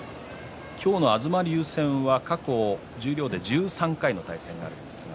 今日の東龍戦は過去十両で１３回対戦があります。